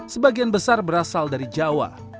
sebagian besar berasal dari jawa